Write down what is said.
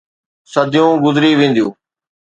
صديون گذري وينديون.